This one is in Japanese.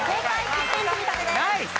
１点積み立てです。